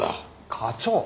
課長。